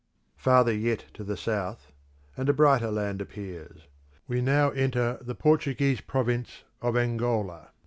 Farther yet to the south, and a brighter land appears. We now enter the Portuguese province of Angola.